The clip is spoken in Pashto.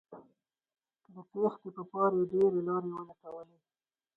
د تېښتې په پار یې ډیرې لارې ولټولې